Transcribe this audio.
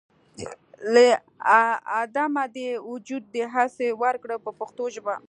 له عدمه دې وجود دهسې ورکړ په پښتو ژبه.